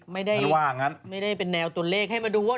แบบเนี่ยมันไม่ได้เป็นแนวตัวเลขออกมาตั้งด้วย